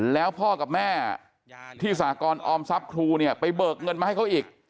แล้วพ่อกับแม่ที่สากรออมทรัพย์ครูเนี่ยไปเบิกเงินมาให้เขาอีก